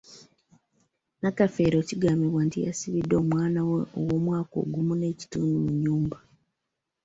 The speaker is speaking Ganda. Nakafeero kigambibwa nti yasibidde omwana we ow’omwaka ogumu n’ekitundu mu nnyumba.